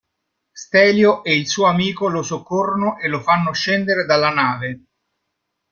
Stelio e il suo amico lo soccorrono e lo fanno scendere dalla nave.